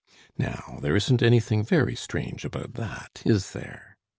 Now there isn't anything very strange about that, is there?